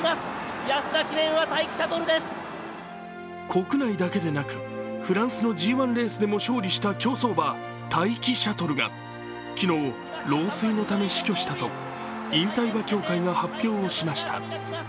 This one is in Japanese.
国内だけでなく、フランスのＧⅠレースでも勝利したタイキシャトルが昨日、老衰のため死去したと引退馬協会が発表しました。